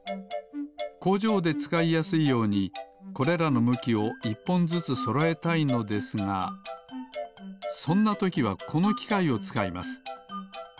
こうじょうでつかいやすいようにこれらのむきを１ぽんずつそろえたいのですがそんなときはこのきかいをつかいます。